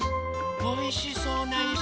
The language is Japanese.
おいしそうないし。